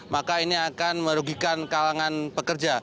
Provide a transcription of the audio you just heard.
maka ini akan merugikan kalangan pekerja